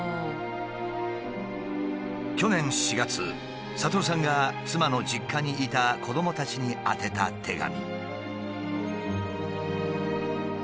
去年４月悟さんが妻の実家にいた子どもたちに宛てた手紙。